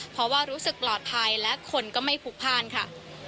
เพราะว่ารู้สึกปลอดภัยและคนก็ไม่พลุกพ่านค่ะ